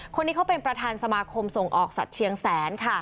คนนี้เขาเป็นประธานสมาคมส่งออกสัตว์เชียงแสนค่ะ